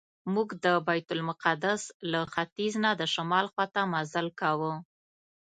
موږ د بیت المقدس له ختیځ نه د شمال خواته مزل کاوه.